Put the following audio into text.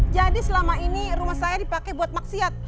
jadi selama ini rumah saya dipakai buat maksiat